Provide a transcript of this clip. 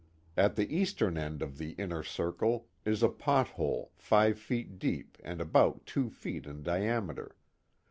At the eastern end of the inner circle is a pot hole five feet deep and about two feet in diameter.